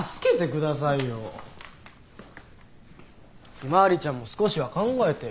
向日葵ちゃんも少しは考えてよ。